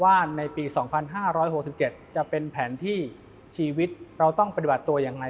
ว่าในปี๒๕๖๗จะเป็นแผนที่ชีวิตเราต้องปฏิบัติตัวอย่างไร